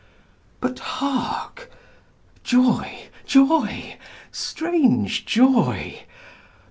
But hark ! Joy â joy â strange joy.